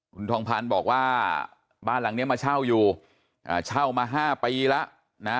คุณทองพันธ์บอกว่าบ้านหลังนี้มาเช่าอยู่เช่ามา๕ปีแล้วนะ